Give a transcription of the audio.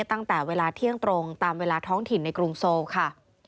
ตั้งแต่เวลาเที่ยงตรงตามเวลาท้องถิ่นในกรุงโซลค่ะ